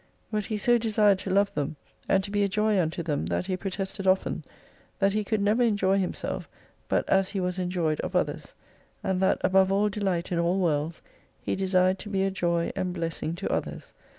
But he so desired to love them, and to be a joy unto them, that he protested often, that lie could never enjoy himself, but as he was enjoyed of others, and that above all delight in all worlds, he desired to be a joy and blessing to others.